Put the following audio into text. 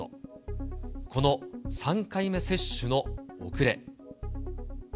この３回目接種の遅れ。